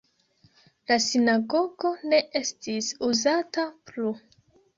La sinagogo ne estis uzata plu.